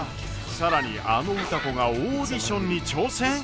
更にあの歌子がオーディションに挑戦！？